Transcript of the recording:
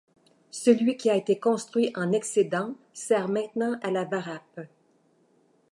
Celui qui a été construit en excédent sert maintenant à la varappe.